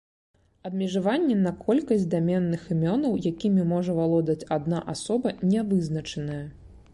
Абмежаванні на колькасць даменных імёнаў, якімі можа валодаць адна асоба, не вызначаныя.